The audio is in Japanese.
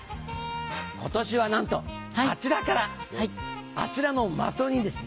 今年はなんとあちらからあちらの的にですね